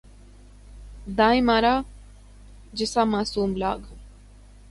دائیں مارا جسا معصوم لاگ